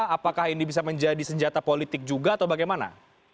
apakah ini bisa menjadi senjata politik juga atau bagaimana